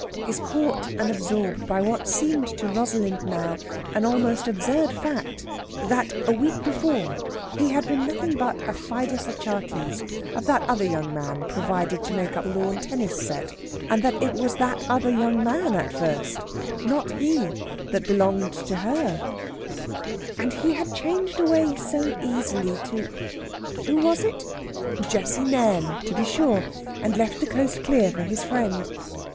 is caught and absorbed by what seemed to Rosalind now an almost absurd fact that, a week before, he had been nothing but a fidus Achates of that other young man provided to make up the lawn tennis set, and that it was that other young man at first, not he, that belonged to her. And he had changed away so easily to who was it? Jessie Nairn, to be sure and left the coast clear for his friend.